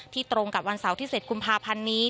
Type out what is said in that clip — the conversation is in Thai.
ที่ตรงกับวันเสาร์ที่เสร็จกุมภาพันธ์นี้